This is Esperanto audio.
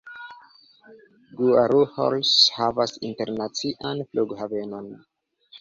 Guarulhos havas internacian flughavenon.